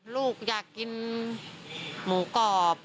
ลูกอยากกินหมูกรอบ